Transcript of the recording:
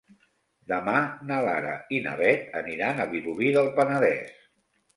Demà na Lara i na Beth aniran a Vilobí del Penedès.